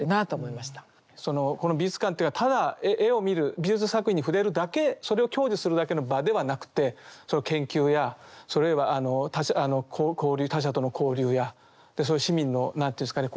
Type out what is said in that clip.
そのこの美術館というのはただ絵を見る美術作品に触れるだけそれを享受するだけの場ではなくてその研究やあの他者との交流やそういう市民の何というんですかね